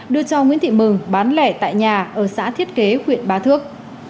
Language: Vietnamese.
đưa cho nguyễn thị mừng bán lẻ tại nhà ở xã thiết kế huyện ba thước